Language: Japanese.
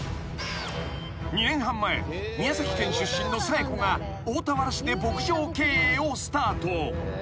［２年半前宮崎県出身の紗栄子が大田原市で牧場経営をスタート］